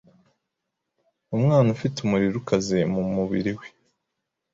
Umwana ufite umuriro ukaze mumubiriwe